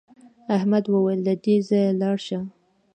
احمد وویل له دې ځایه لاړ شه.